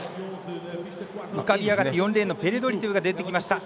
浮かび上がって４レーンのペレンドリトゥが出てきました。